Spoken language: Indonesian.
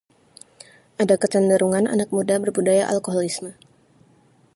ada kecenderungan anak muda berbudaya alkoholisme